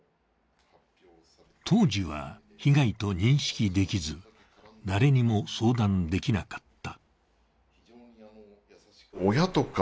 当時は被害と認識できず誰にも相談できなかった。